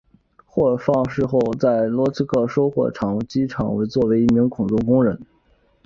获释放后在罗斯托克收获机厂做一名普通工人。